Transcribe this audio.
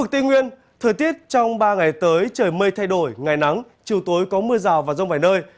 tây nguyên thời tiết trong ba ngày tới trời mây thay đổi ngày nắng chiều tối có mưa rào và rông vài nơi